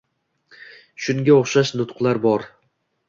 Shunga o'xshash nutqlar bor